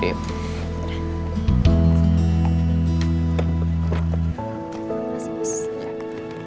terima kasih mas